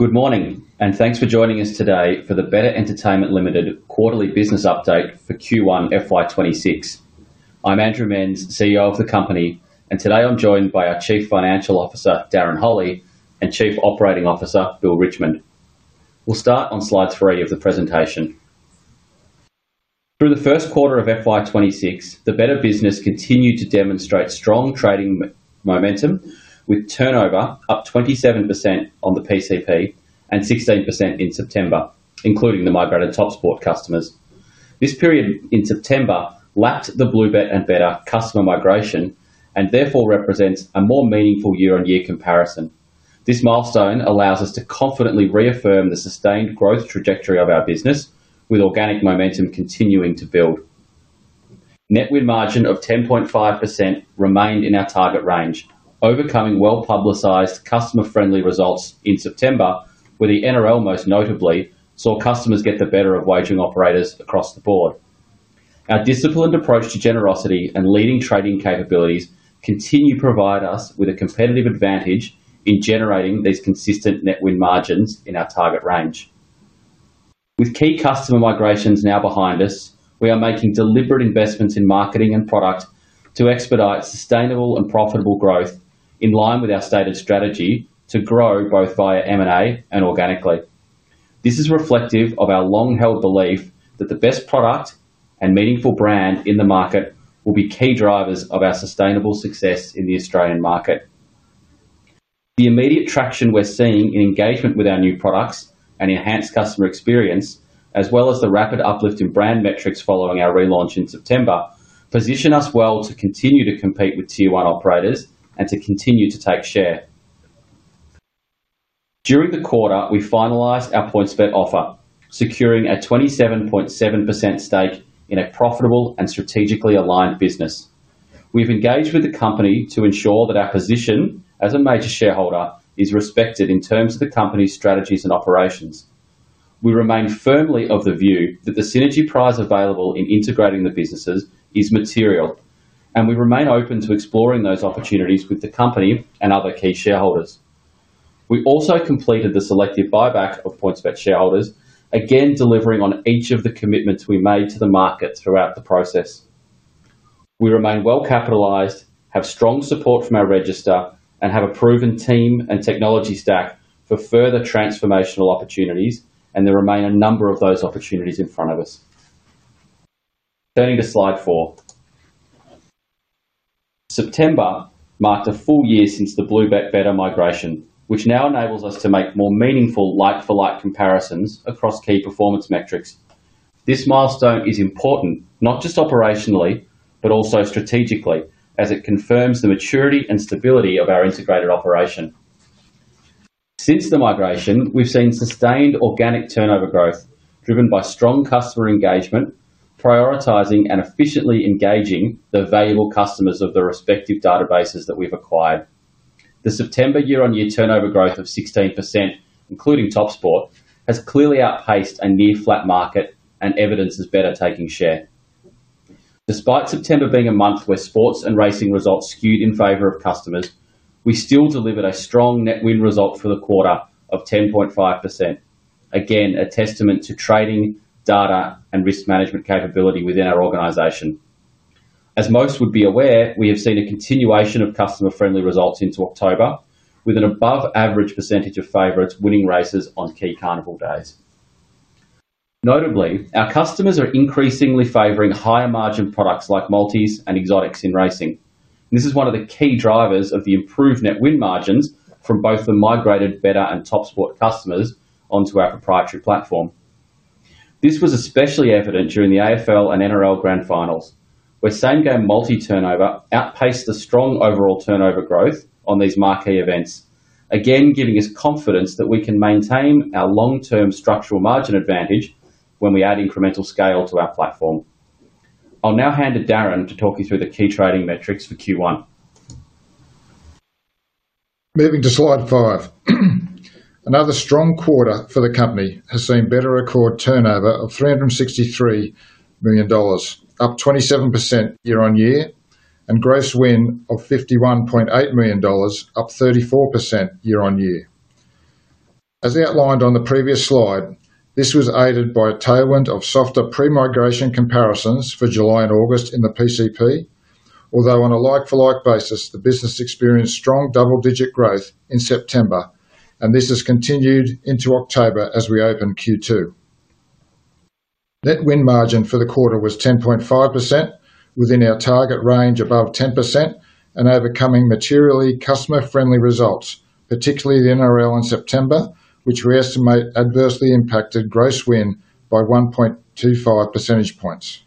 Good morning, and thanks for joining us today for the betr Entertainment Limited quarterly business update for Q1 FY2026. I'm Andrew Menz, CEO of the company, and today I'm joined by our Chief Financial Officer, Darren Holley, and Chief Operating Officer, Bill Richmond. We'll start on slide three of the presentation. Through the first quarter of FY2026, the betr business continued to demonstrate strong trading momentum, with turnover up 27% on the PCP and 16% in September, including the migrated TopSport customers. This period in September lacked the BlueBet and betr customer migration and therefore represents a more meaningful year-on-year comparison. This milestone allows us to confidently reaffirm the sustained growth trajectory of our business, with organic momentum continuing to build. Net wind margin of 10.5% remained in our target range, overcoming well-publicized customer-friendly results in September, where the NRL most notably saw customers get the better of wagering operators across the board. Our disciplined approach to generosity and leading trading capabilities continue to provide us with a competitive advantage in generating these consistent net wind margins in our target range. With key customer migrations now behind us, we are making deliberate investments in marketing and product to expedite sustainable and profitable growth in line with our stated strategy to grow both via M&A and organically. This is reflective of our long-held belief that the best product and meaningful brand in the market will be key drivers of our sustainable success in the Australian market. The immediate traction we're seeing in engagement with our new products and enhanced customer experience, as well as the rapid uplift in brand metrics following our relaunch in September, position us well to continue to compete with Tier 1 operators and to continue to take share. During the quarter, we finalized our PointsBet offer, securing a 27.7% stake in a profitable and strategically aligned business. We've engaged with the company to ensure that our position as a major shareholder is respected in terms of the company's strategies and operations. We remain firmly of the view that the synergy prize available in integrating the businesses is material, and we remain open to exploring those opportunities with the company and other key shareholders. We also completed the selective buyback of PointsBet shareholders, again delivering on each of the commitments we made to the market throughout the process. We remain well-capitalized, have strong support from our register, and have a proven team and technology stack for further transformational opportunities, and there remain a number of those opportunities in front of us. Turning to slide four, September marked a full year since the BlueBet/betr migration, which now enables us to make more meaningful like-for-like comparisons across key performance metrics. This milestone is important not just operationally but also strategically, as it confirms the maturity and stability of our integrated operation. Since the migration, we've seen sustained organic turnover growth driven by strong customer engagement, prioritizing and efficiently engaging the valuable customers of the respective databases that we've acquired. The September year-on-year turnover growth of 16%, including TopSport, has clearly outpaced a near-flat market and evidences betr taking share. Despite September being a month where sports and racing results skewed in favor of customers, we still delivered a strong net wind result for the quarter of 10.5%, again a testament to trading data and risk management capability within our organization. As most would be aware, we have seen a continuation of customer-friendly results into October, with an above-average percentage of favorites winning races on key carnival days. Notably, our customers are increasingly favoring higher margin products like multis and exotics in racing, and this is one of the key drivers of the improved net wind margins from both the migrated betr and TopSport customers onto our proprietary platform. This was especially evident during the AFL and NRL Grand Finals, where same-game multi turnover outpaced the strong overall turnover growth on these marquee events, again giving us confidence that we can maintain our long-term structural margin advantage when we add incremental scale to our platform. I'll now hand to Darren to talk you through the key trading metrics for Q1. Moving to slide five, another strong quarter for the company has seen betr record turnover of $363 million, up 27% year-on-year, and gross win of $51.8 million, up 34% year-on-year. As outlined on the previous slide, this was aided by a tailwind of softer pre-migration comparisons for July and August in the PCP, although on a like-for-like basis, the business experienced strong double-digit growth in September, and this has continued into October as we open Q2. Net wind margin for the quarter was 10.5%, within our target range above 10%, and overcoming materially customer-friendly results, particularly the NRL in September, which we estimate adversely impacted gross win by 1.25 percentage points.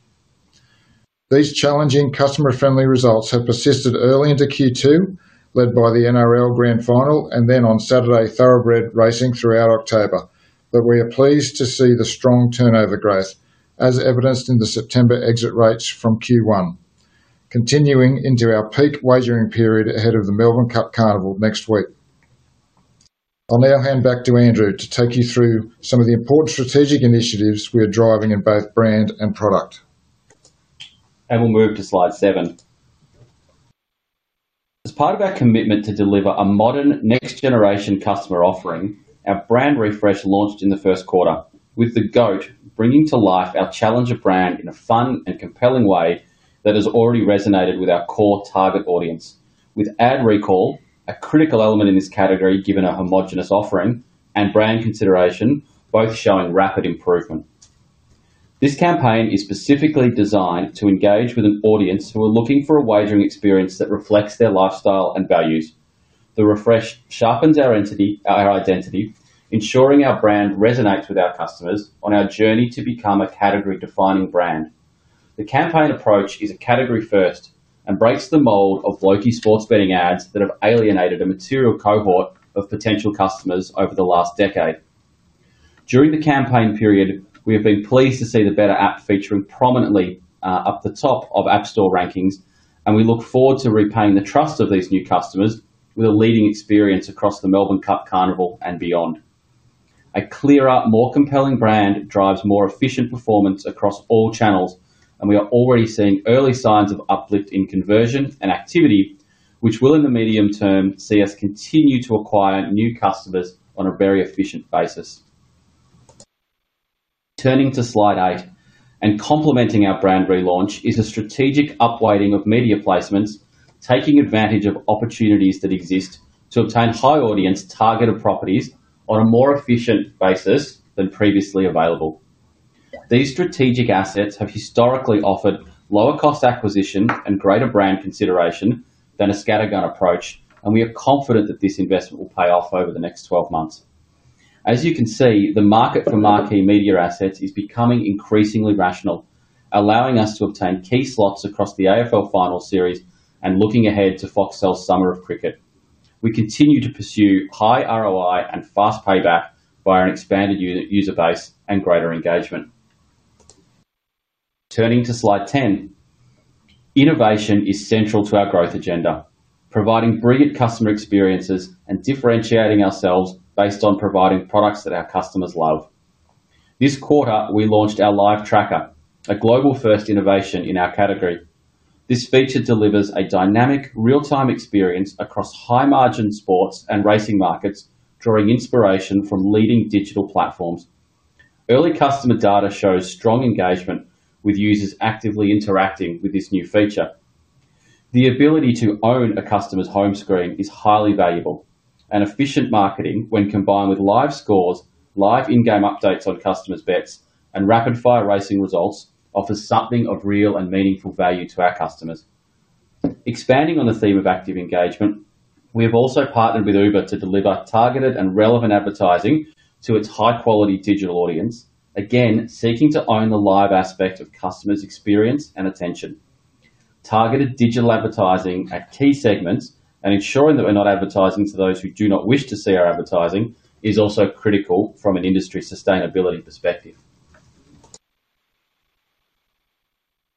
These challenging customer-friendly results have persisted early into Q2, led by the NRL Grand Final, and then on Saturday, thoroughbred racing throughout October, but we are pleased to see the strong turnover growth, as evidenced in the September exit rates from Q1, continuing into our peak wagering period ahead of the Melbourne Cup Carnival next week. I'll now hand back to Andrew to take you through some of the important strategic initiatives we are driving in both brand and product. We will move to slide seven. As part of our commitment to deliver a modern next-generation customer offering, our brand refresh launched in the first quarter, with the GOAT bringing to life our challenger brand in a fun and compelling way that has already resonated with our core target audience, with ad recall a critical element in this category, given a homogeneous offering and brand consideration, both showing rapid improvement. This campaign is specifically designed to engage with an audience who are looking for a wagering experience that reflects their lifestyle and values. The refresh sharpens our identity, ensuring our brand resonates with our customers on our journey to become a category-defining brand. The campaign approach is a category-first and breaks the mold of lowkey sports betting ads that have alienated a material cohort of potential customers over the last decade. During the campaign period, we have been pleased to see the betr app featuring prominently up the top of app store rankings, and we look forward to repaying the trust of these new customers with a leading experience across the Melbourne Cup Carnival and beyond. A clearer, more compelling brand drives more efficient performance across all channels, and we are already seeing early signs of uplift in conversion and activity, which will, in the medium term, see us continue to acquire new customers on a very efficient basis. Turning to slide eight, and complementing our brand relaunch is a strategic upweighting of media placements, taking advantage of opportunities that exist to obtain high audience targeted properties on a more efficient basis than previously available. These strategic assets have historically offered lower cost acquisition and greater brand consideration than a scattergun approach, and we are confident that this investment will pay off over the next 12 months. As you can see, the market for marquee media assets is becoming increasingly rational, allowing us to obtain key slots across the AFL Finals series and looking ahead to Foxtel's Summer of Cricket. We continue to pursue high ROI and fast payback via an expanded user base and greater engagement. Turning to slide 10, innovation is central to our growth agenda, providing brilliant customer experiences and differentiating ourselves based on providing products that our customers love. This quarter, we launched our live tracker, a global-first innovation in our category. This feature delivers a dynamic, real-time experience across high-margin sports and racing markets, drawing inspiration from leading digital platforms. Early customer data shows strong engagement, with users actively interacting with this new feature. The ability to own a customer's home screen is highly valuable, and efficient marketing, when combined with live scores, live in-game updates on customers' bets, and rapid-fire racing results, offers something of real and meaningful value to our customers. Expanding on the theme of active engagement, we have also partnered with Uber to deliver targeted and relevant advertising to its high-quality digital audience, again seeking to own the live aspect of customers' experience and attention. Targeted digital advertising at key segments and ensuring that we're not advertising to those who do not wish to see our advertising is also critical from an industry sustainability perspective.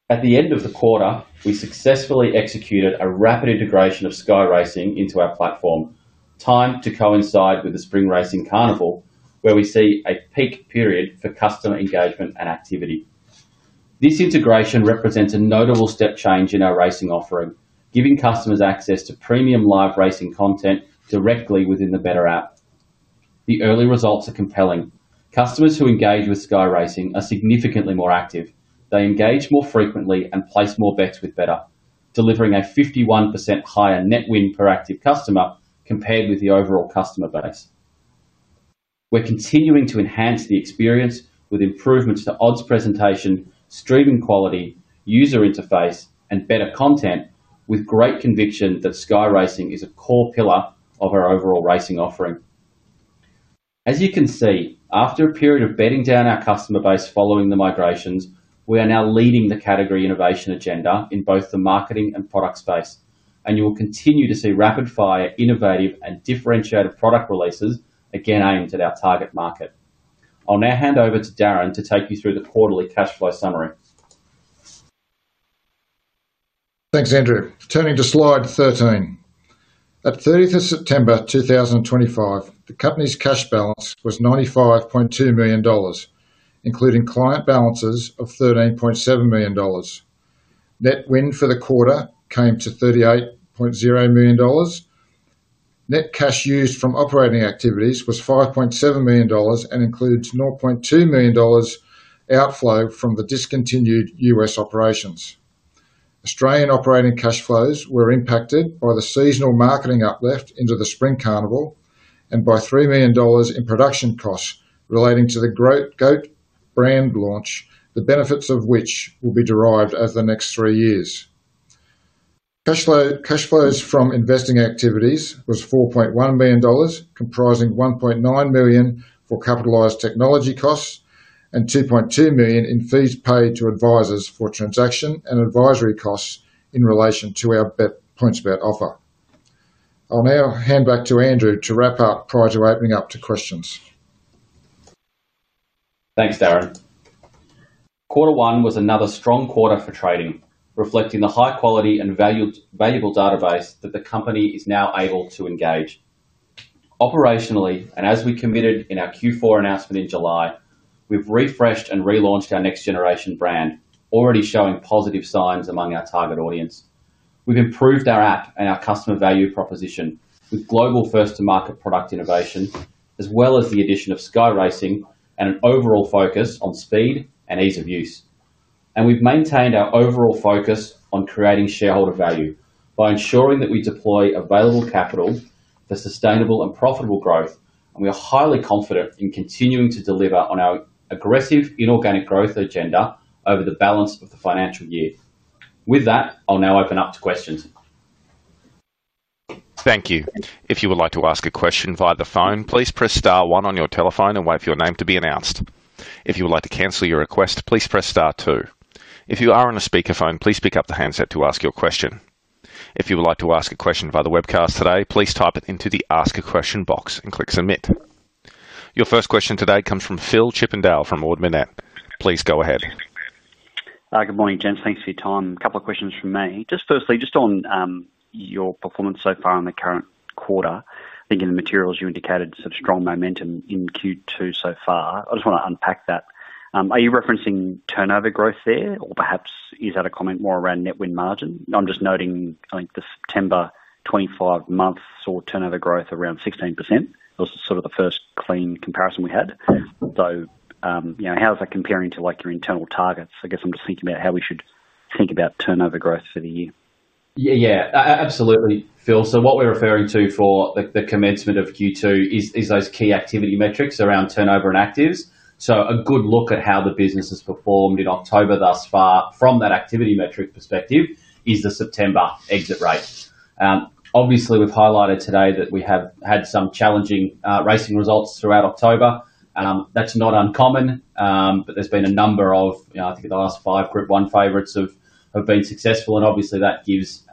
At the end of the quarter, we successfully executed a rapid integration of Sky Racing into our platform, timed to coincide with the Spring Racing Carnival, where we see a peak period for customer engagement and activity. This integration represents a notable step change in our racing offering, giving customers access to premium live racing content directly within the betr app. The early results are compelling. Customers who engage with Sky Racing are significantly more active. They engage more frequently and place more bets with betr, delivering a 51% higher net wind per active customer compared with the overall customer base. We're continuing to enhance the experience with improvements to odds presentation, streaming quality, user interface, and better content, with great conviction that Sky Racing is a core pillar of our overall racing offering. As you can see, after a period of bedding down our customer base following the migrations, we are now leading the category innovation agenda in both the marketing and product space, and you will continue to see rapid-fire, innovative, and differentiated product releases, again aimed at our target market. I'll now hand over to Darren to take you through the quarterly cash flow summary. Thanks, Andrew. Turning to slide 13, at 30th of September 2025, the company's cash balance was $95.2 million, including client balances of $13.7 million. Net wind for the quarter came to $38.0 million. Net cash used from operating activities was $5.7 million and includes $0.2 million outflow from the discontinued U.S. operations. Australian operating cash flows were impacted by the seasonal marketing uplift into the Spring Carnival and by $3 million in production costs relating to the GOAT brand launch, the benefits of which will be derived over the next three years. Cash flows from investing activities were $4.1 million, comprising $1.9 million for capitalized technology costs and $2.2 million in fees paid to advisors for transaction and advisory costs in relation to our PointsBet offer. I'll now hand back to Andrew to wrap up prior to opening up to questions. Thanks, Darren. Quarter one was another strong quarter for trading, reflecting the high quality and valuable database that the company is now able to engage. Operationally, and as we committed in our Q4 announcement in July, we've refreshed and relaunched our next-generation brand, already showing positive signs among our target audience. We've improved our app and our customer value proposition with global first-to-market product innovation, as well as the addition of Sky Racing and an overall focus on speed and ease of use. We've maintained our overall focus on creating shareholder value by ensuring that we deploy available capital for sustainable and profitable growth, and we are highly confident in continuing to deliver on our aggressive inorganic growth agenda over the balance of the financial year. With that, I'll now open up to questions. Thank you. If you would like to ask a question via the phone, please press star one on your telephone and wait for your name to be announced. If you would like to cancel your request, please press star two. If you are on a speakerphone, please pick up the handset to ask your question. If you would like to ask a question via the webcast today, please type it into the ask a question box and click submit. Your first question today comes from Phil Chippendale from Ord Minnett. Please go ahead. Good morning, gents. Thanks for your time. A couple of questions from me. Firstly, just on your performance so far in the current quarter, I think in the materials you indicated strong momentum in Q2 so far. I just want to unpack that. Are you referencing turnover growth there, or perhaps is that a comment more around net wind margin? I'm just noting I think the September 2025 month saw turnover growth around 16%. That was the first clean comparison we had. How is that comparing to your internal targets? I guess I'm just thinking about how we should think about turnover growth for the year. Yeah, absolutely, Phil. What we're referring to for the commencement of Q2 is those key activity metrics around turnover and actives. A good look at how the business has performed in October thus far from that activity metrics perspective is the September exit rate. We've highlighted today that we have had some challenging racing results throughout October. That's not uncommon, but there's been a number of, I think the last five Group One favorites have been successful, and that gives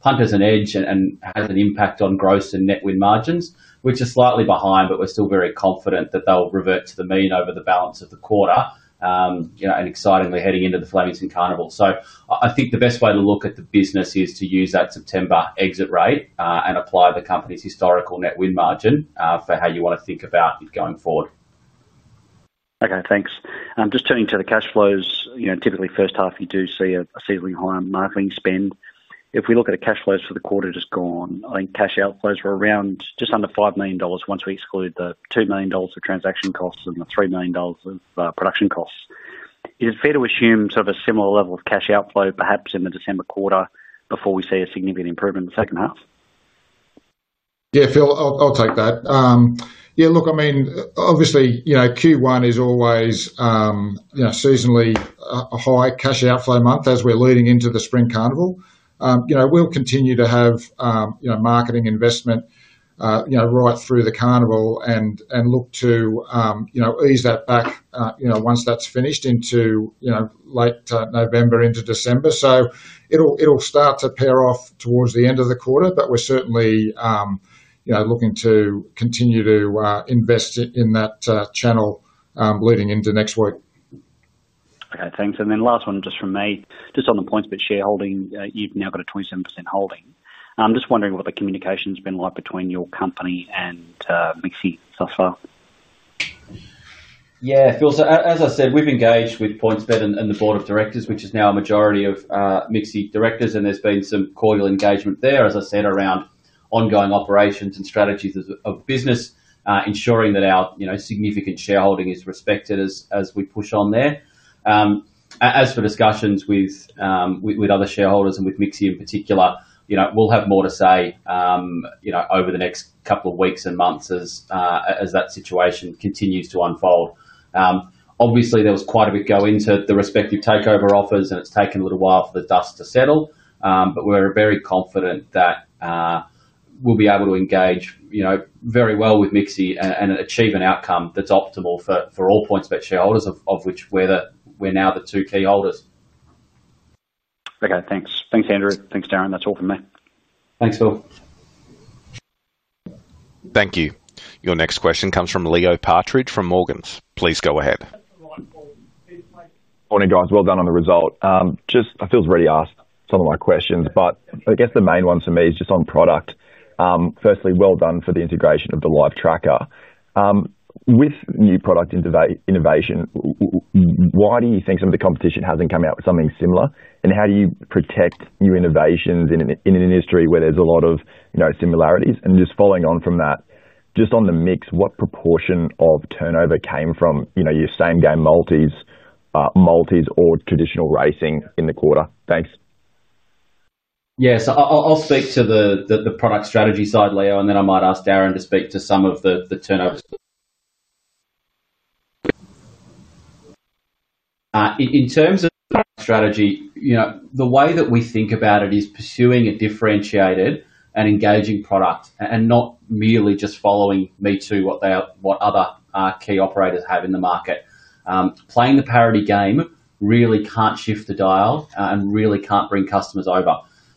punters an edge and has an impact on gross and net wind margins, which are slightly behind, but we're still very confident that they'll revert to the mean over the balance of the quarter, excitingly heading into the Flemington Carnival. I think the best way to look at the business is to use that September exit rate and apply the company's historical net wind margin for how you want to think about it going forward. Okay, thanks. Just turning to the cash flows, you know, typically first half you do see a seemingly higher marketing spend. If we look at the cash flows for the quarter just gone, I think cash outflows were around just under $5 million once we exclude the $2 million of transaction costs and the $3 million of production costs. Is it fair to assume sort of a similar level of cash outflow perhaps in the December quarter before we see a significant improvement in the second half? Yeah, I'll take that. I mean, obviously, Q1 is always seasonally a high cash outflow month as we're leading into the Spring Carnival. We'll continue to have marketing investment right through the Carnival and look to ease that back once that's finished into late November into December. It'll start to pair off towards the end of the quarter, but we're certainly looking to continue to invest in that channel leading into next week. Okay, thanks. Last one just from me, just on the PointsBet shareholding, you've now got a 27.7% holding. I'm just wondering what the communication's been like between your company and MIXI thus far. Yeah, Phil, as I said, we've engaged with PointsBet and the Board of Directors, which is now a majority of MIXI Directors, and there's been some cordial engagement there, as I said, around ongoing operations and strategies of business, ensuring that our significant shareholding is respected as we push on there. As for discussions with other shareholders and with MIXI in particular, we'll have more to say over the next couple of weeks and months as that situation continues to unfold. Obviously, there was quite a bit going into the respective takeover offers, and it's taken a little while for the dust to settle, but we're very confident that we'll be able to engage very well with MIXI and achieve an outcome that's optimal for all PointsBet shareholders, of which we're now the two key holders. Okay, thanks. Thanks, Andrew. Thanks, Darren. That's all from me. Thanks, Phil. Thank you. Your next question comes from Leo Partridge from Morgans. Please go ahead. Morning, guys. Well done on the result. I feel it's already asked some of my questions, but I guess the main one for me is just on product. Firstly, well done for the integration of the live tracker. With new product innovation, why do you think some of the competition hasn't come out with something similar, and how do you protect new innovations in an industry where there's a lot of similarities? Just following on from that, on the mix, what proportion of turnover came from your same-game multis or traditional racing in the quarter? Thanks. Yeah, so I'll speak to the product strategy side, Leo, and then I might ask Darren to speak to some of the turnover. In terms of product strategy, the way that we think about it is pursuing a differentiated and engaging product and not merely just following me to what other key operators have in the market. Playing the parity game really can't shift the dial and really can't bring customers over.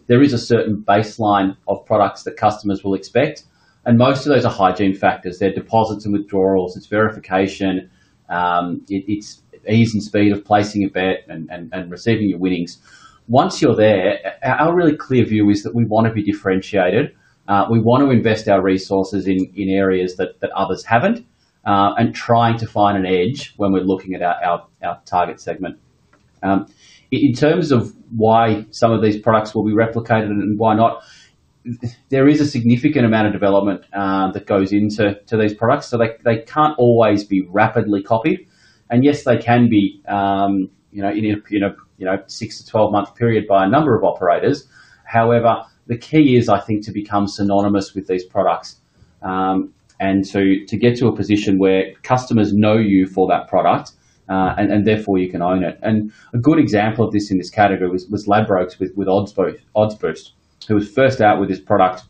There is a certain baseline of products that customers will expect, and most of those are hygiene factors. They're deposits and withdrawals. It's verification. It's ease and speed of placing a bet and receiving your winnings. Once you're there, our really clear view is that we want to be differentiated. We want to invest our resources in areas that others haven't and trying to find an edge when we're looking at our target segment. In terms of why some of these products will be replicated and why not, there is a significant amount of development that goes into these products, so they can't always be rapidly copied. Yes, they can be, in a 6-12 month period by a number of operators. However, the key is, I think, to become synonymous with these products and to get to a position where customers know you for that product, and therefore you can own it. A good example of this in this category was Ladbrokes with Odds Boost, who was first out with this product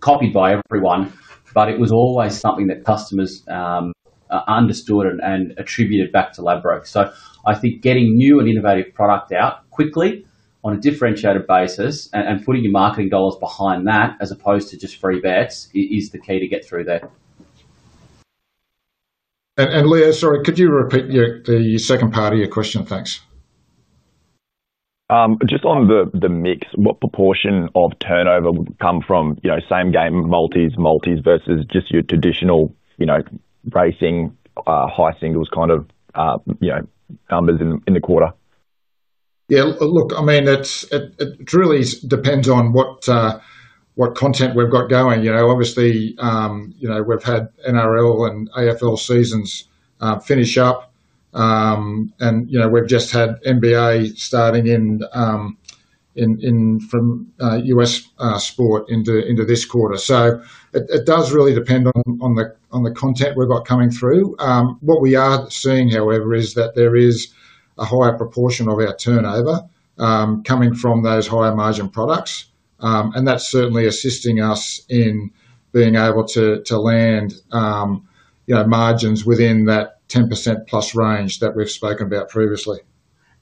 copied by everyone, but it was always something that customers understood and attributed back to Ladbrokes. I think getting new and innovative product out quickly on a differentiated basis and putting your marketing dollars behind that as opposed to just free bets is the key to get through there. Leo, sorry, could you repeat the second part of your question? Thanks. Just on the mix, what proportion of turnover would come from, you know, same-game multis versus just your traditional, you know, racing high singles kind of, you know, numbers in the quarter? Yeah, look, I mean, it really depends on what content we've got going. Obviously, we've had NRL and AFL seasons finish up, and we've just had NBA starting in from U.S. sport into this quarter. It does really depend on the content we've got coming through. What we are seeing, however, is that there is a higher proportion of our turnover coming from those higher margin products, and that's certainly assisting us in being able to land margins within that 10%+ range that we've spoken about previously.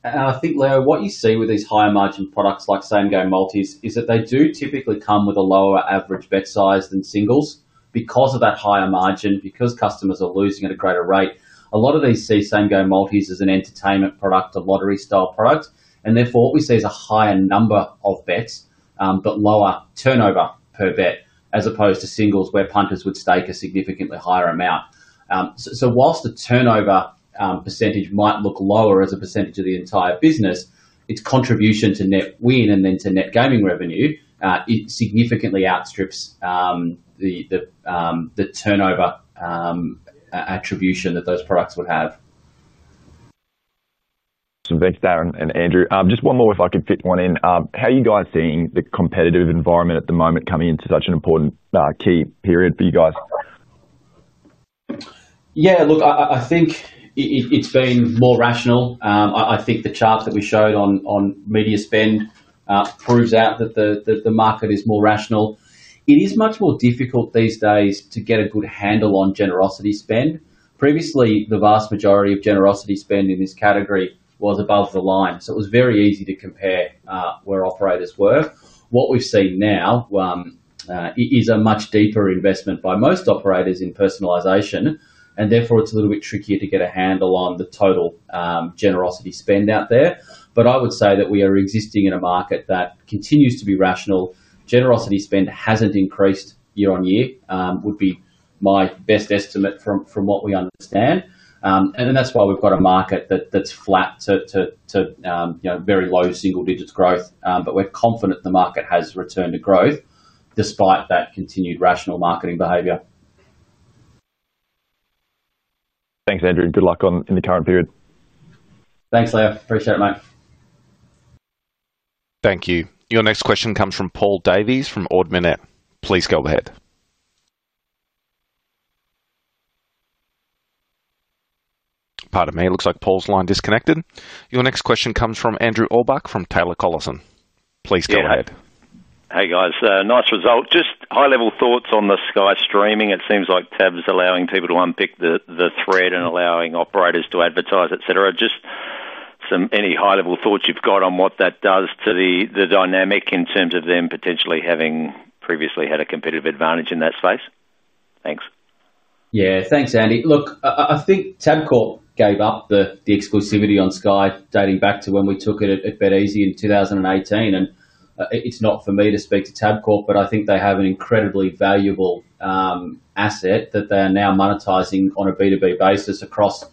I think, Leo, what you see with these higher margin products like same-game multis is that they do typically come with a lower average bet size than singles because of that higher margin, because customers are losing at a greater rate. A lot of these see same-game multis as an entertainment product, a lottery style product, and therefore what we see is a higher number of bets, but lower turnover per bet, as opposed to singles where punters would stake a significantly higher amount. Whilst the turnover percentage might look lower as a percentage of the entire business, its contribution to net win and then to net gaming revenue significantly outstrips the turnover attribution that those products would have. Darren and Andrew, just one more if I could fit one in. How are you guys seeing the competitive environment at the moment coming into such an important key period for you guys? Yeah, look, I think it's been more rational. I think the chart that we showed on media spend proves out that the market is more rational. It is much more difficult these days to get a good handle on generosity spend. Previously, the vast majority of generosity spend in this category was above the line, so it was very easy to compare where operators were. What we've seen now is a much deeper investment by most operators in personalization, and therefore it's a little bit trickier to get a handle on the total generosity spend out there. I would say that we are existing in a market that continues to be rational. Generosity spend hasn't increased year-on-year, would be my best estimate from what we understand. That's why we've got a market that's flat to very low single digits growth, but we're confident the market has returned to growth despite that continued rational marketing behavior. Thanks, Andrew. Good luck in the current period. Thanks, Leo. Appreciate it, mate. Thank you. Your next question comes from Paul Davies from Odd Minnett. Please go ahead. Pardon me, it looks like Paul's line disconnected. Your next question comes from Andrew Orbach from Taylor Collison. Please go ahead. Hey, guys. Nice result. Just high-level thoughts on the Sky Racing streaming. It seems like Tab's allowing people to unpick the thread and allowing operators to advertise, etc. Just any high-level thoughts you've got on what that does to the dynamic in terms of them potentially having previously had a competitive advantage in that space? Thanks. Yeah, thanks, Andy. I think Tabcorp gave up the exclusivity on Sky dating back to when we took it at BetEasy in 2018, and it's not for me to speak to Tabcorp, but I think they have an incredibly valuable asset that they are now monetizing on a B2B basis across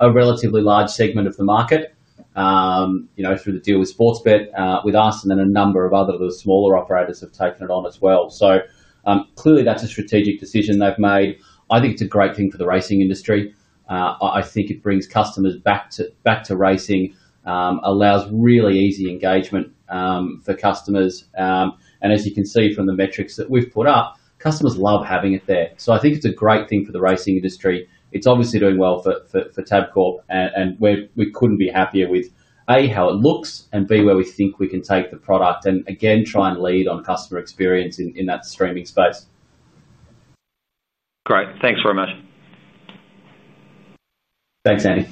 a relatively large segment of the market, you know, through the deal with SportsBet, with us, and then a number of other little smaller operators have taken it on as well. Clearly, that's a strategic decision they've made. I think it's a great thing for the racing industry. I think it brings customers back to racing, allows really easy engagement for customers. As you can see from the metrics that we've put up, customers love having it there. I think it's a great thing for the racing industry. It's obviously doing well for Tabcorp, and we couldn't be happier with A, how it looks, and B, where we think we can take the product and again try and lead on customer experience in that streaming space. Great, thanks very much. Thanks, Andy.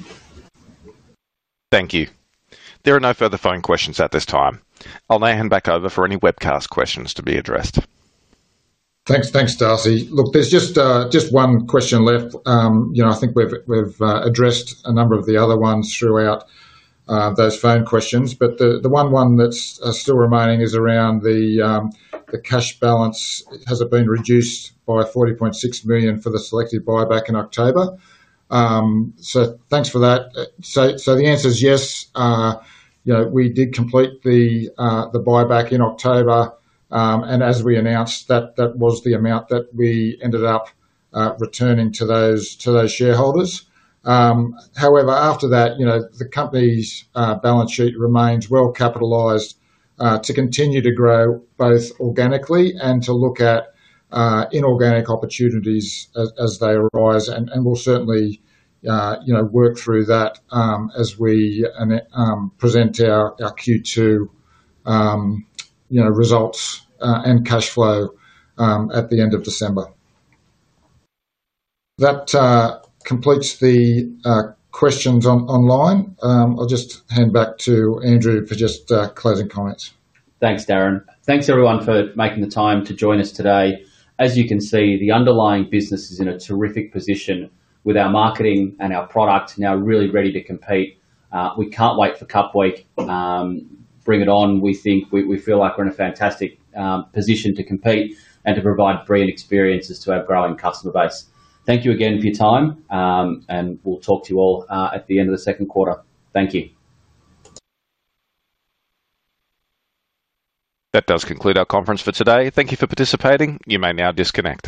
Thank you. There are no further phone questions at this time. I'll now hand back over for any webcast questions to be addressed. Thanks, Darcy. There's just one question left. I think we've addressed a number of the other ones throughout those phone questions, but the one that's still remaining is around the cash balance. Has it been reduced by $40.6 million for the selective buyback in October? Thanks for that. The answer is yes. We did complete the buyback in October, and as we announced, that was the amount that we ended up returning to those shareholders. However, after that, the company's balance sheet remains well-capitalized to continue to grow both organically and to look at inorganic opportunities as they arise, and we'll certainly work through that as we present our Q2 results and cash flow at the end of December. That completes the questions online. I'll just hand back to Andrew for closing comments. Thanks, Darren. Thanks, everyone, for making the time to join us today. As you can see, the underlying business is in a terrific position with our marketing and our product now really ready to compete. We can't wait for Cup Week. Bring it on. We think we feel like we're in a fantastic position to compete and to provide brilliant experiences to our growing customer base. Thank you again for your time, and we'll talk to you all at the end of the second quarter. Thank you. That does conclude our conference for today. Thank you for participating. You may now disconnect.